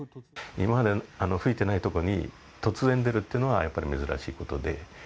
今まで噴いていない所に、突然出るっていうのは、やっぱり珍しいことで。